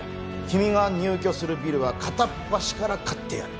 君が入居するビルは片っ端から買ってやる。